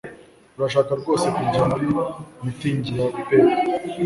Urashaka rwose kujya muri mitingi ya pep